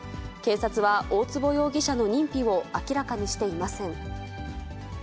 警察は、大坪容疑者の認否を明らかにしていません。